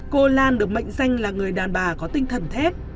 cô lan được mệnh danh là người đàn bà có tinh thần thép